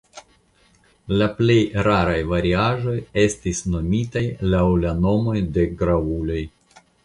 La plej raraj variaĵoj estis nomitaj laŭ la nomoj de gravuloj.